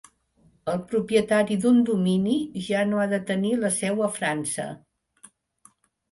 El propietari d'un domini ja no ha de tenir la seu a França.